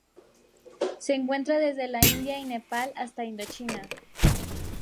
Se encuentra desde la India y Nepal hasta Indochina.